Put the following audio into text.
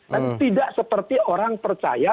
tapi tidak seperti orang percaya